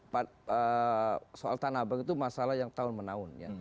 karena soal tanah apang itu masalah yang tahun menaun ya